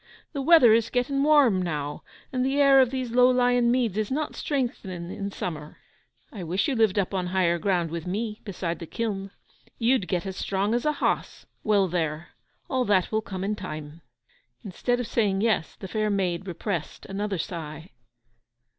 The weather is getting warm now, and the air of these low lying meads is not strengthening in summer. I wish you lived up on higher ground with me, beside the kiln. You'd get as strong as a hoss! Well, there; all that will come in time.' Instead of saying yes, the fair maid repressed another sigh.